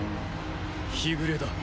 日暮れだ。